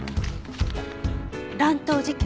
乱闘事件？